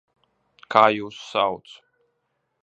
Kā jūs sauc?